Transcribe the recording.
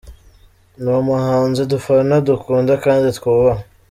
Ni umuhanzi dufana, dukunda kandi twubaha!”.